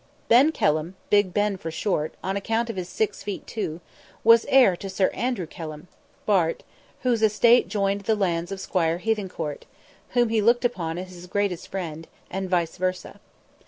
Ben Kelham, Big Ben for short, on account of his six feet two, was heir to Sir Andrew Kelham, Bart., whose estate joined the lands of Squire Hethencourt, whom he looked upon as his greatest friend, and vice versa.